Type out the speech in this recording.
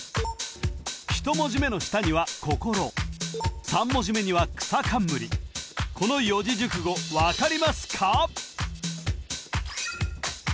１文字目の下にはこころ３文字目にはくさかんむりこの四字熟語分かりますか？